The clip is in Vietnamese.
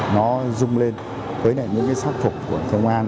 nó rung lên với những sát phục của công an